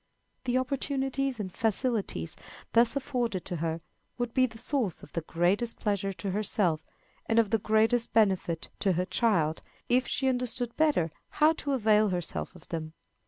The opportunities and facilities thus afforded to her would be the source of the greatest pleasure to herself, and of the greatest benefit to her child, if she understood better how to avail herself of them.